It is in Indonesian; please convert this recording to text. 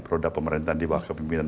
perodak pemerintahan di bawah kepimpinan